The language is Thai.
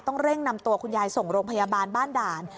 เร่งนำตัวคุณยายส่งโรงพยาบาลบ้านด่าน